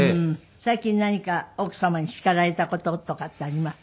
最近何か奥様に叱られた事とかってあります？